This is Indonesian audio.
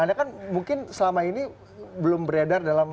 anda kan mungkin selama ini belum beredar dalam